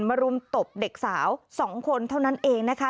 รุมตบเด็กสาว๒คนเท่านั้นเองนะคะ